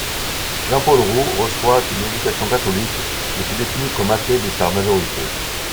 Jean-Paul Roux reçoit une éducation catholique mais se définit comme athée dès sa majorité.